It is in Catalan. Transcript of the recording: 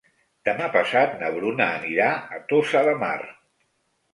Demà passat na Bruna anirà a Tossa de Mar.